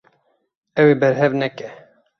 Ew ê berhev neke.